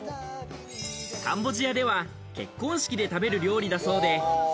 カンボジアでは結婚式で食べる料理だそうで。